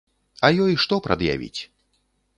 А ёй што прад'явіць?